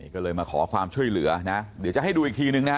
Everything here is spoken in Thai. ก็เลยมาขอความช่วยเหลือนะเดี๋ยวจะให้ดูอีกทีนึงนะฮะ